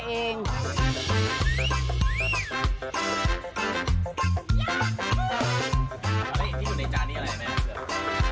เห็นที่อยู่ในจานนี้อะไรไหม